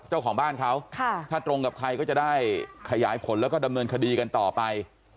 เจ้าของบ้านเขาถ้าตรงกับใครก็จะได้ขยายผลแล้วก็ดำเนินคดีกันต่อไป